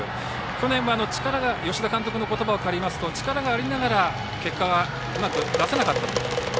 去年は吉田監督の言葉を借りますと力がありながら結果がうまく出せなかったと。